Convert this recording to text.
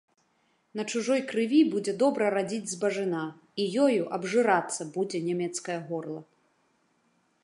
На чужой крыві будзе добра радзіць збажына, і ёю абжырацца будзе нямецкае горла.